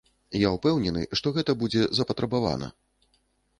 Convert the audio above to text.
Я ўпэўнены, што гэта будзе запатрабавана.